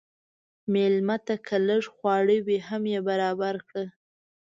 مېلمه ته که لږ خواړه وي، هم یې برابر کړه.